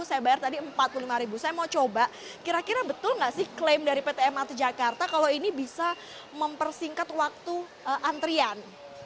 saya mau coba kira kira betul gak sih klaim dari pt mrt jakarta kalau ini bisa mempersingkat waktu antrian